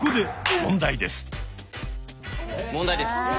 問題です。